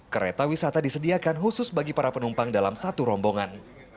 kereta wisata disediakan khusus bagi para penumpang dalam satu rombongan